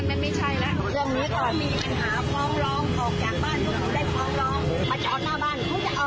แต่ชีวิตที่เขารักษาของเขาอ่ะ